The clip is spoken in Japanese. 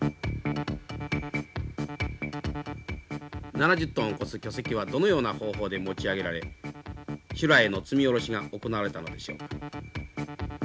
７０トンを超す巨石はどのような方法で持ち上げられ修羅への積み降ろしが行われたのでしょう。